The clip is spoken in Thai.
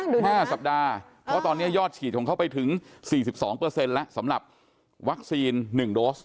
เพราะตอนนี้ยอดฉีดเข้าไปถึง๔๒แล้วสำหรับวัคซีน๑โดส